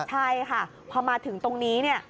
ใช่ค่ะพอมาถึงตรงนี้